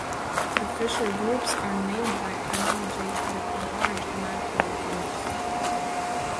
The Fischer groups are named by analogy with the large Mathieu groups.